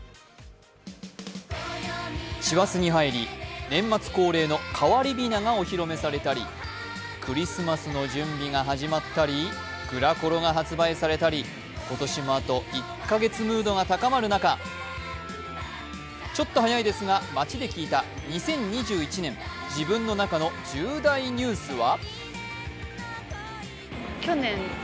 師走に入り、年末恒例の変わりびながお披露目されたりクリスマスの準備が始まったりグラコロが発売されたり今年もあと１カ月ムードが高まる中、ちょっと早いですが、街で聞いた２０２１年自分の中の重大ニュースは？